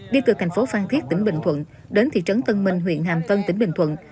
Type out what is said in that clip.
đi từ thành phố phan thiết tỉnh bình thuận đến thị trấn tân minh huyện hàm tân tỉnh bình thuận